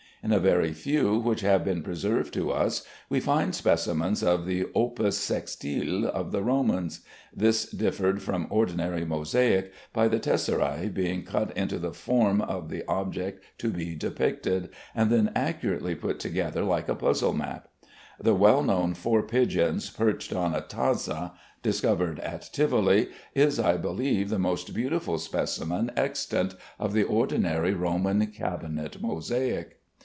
In a very few which have been preserved to us, we find specimens of the "opus sectile" of the Romans. This differed from ordinary mosaic by the tesseræ being cut into the form of the object to be depicted, and then accurately put together like a puzzle map. The well known four pigeons perched on a tazza, discovered at Tivoli, is, I believe, the most beautiful specimen extant of the ordinary Roman cabinet mosaic.